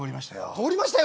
「通りましたよ」